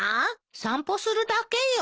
散歩するだけよ。